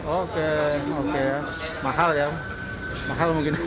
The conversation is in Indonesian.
oke oke ya mahal ya mahal mungkin